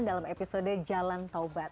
dalam episode jalan taubat